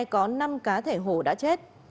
có năm cá thể hổ đã chết